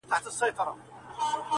ځان یې خپل دئ نور د هر چا دښمنان!